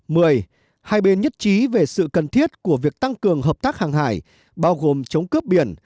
m hai bên nhất trí về sự cần thiết của việc tăng cường hợp tác hàng hải bao gồm chống cướp biển